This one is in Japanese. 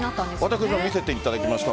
私も見せていただきました。